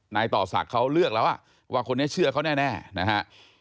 ต่อศักดิ์เขาเลือกแล้วว่าคนนี้เชื่อเขาแน่นะฮะ